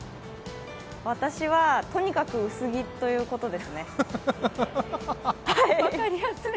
私はとにかく薄着ということですね。